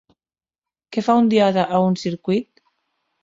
Què fa un díode a un circuit?